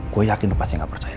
gue yakin lo pasti gak percaya